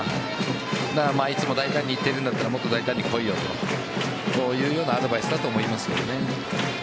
いつも大胆にいってるんだったらもっと大胆に来いよというようなアドバイスだと思います。